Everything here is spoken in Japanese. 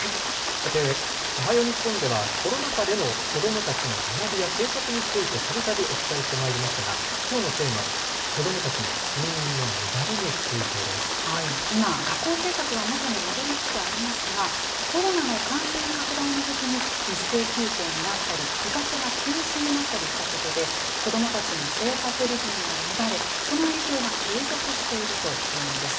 さて、おはよう日本では、コロナ禍での子どもたちの学びや生活についてたびたびお伝えしてまいりましたが、きょうのテーマ、子ど今、学校生活は元に戻りつつありますが、コロナの感染拡大のときに、一斉休校になったり、部活が休止になったりしたことで、子どもたちの生活リズムが乱れ、その影響が継続しているというんです。